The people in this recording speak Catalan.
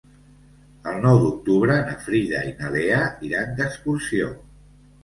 El nou d'octubre na Frida i na Lea iran d'excursió.